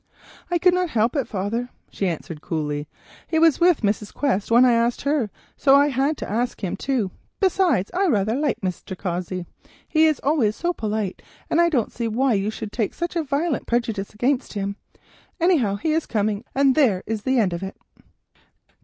"I could not help it, father," she answered coolly. "He was with Mrs. Quest when I asked her, so I had to ask him too. Besides, I rather like Mr. Cossey, he is always so polite, and I don't see why you should take such a violent prejudice against him. Anyhow, he is coming, and there is an end of it."